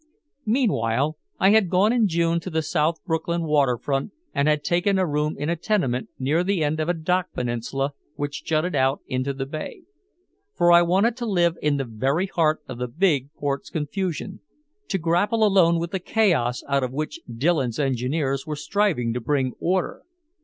Meanwhile I had gone in June to the South Brooklyn waterfront and had taken a room in a tenement near the end of a dock peninsula which jutted out into the bay. For I wanted to live in the very heart of the big port's confusion, to grapple alone with the chaos out of which Dillon's engineers were striving to bring order.